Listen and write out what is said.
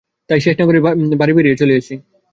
তাই শেষ না করেই বেড়িয়ে চলে আসি।